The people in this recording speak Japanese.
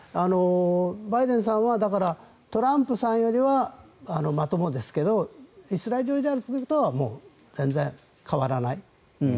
バイデンさんは、だからトランプさんよりはまともですけどイスラエル寄りであるということはもう全然変わらない。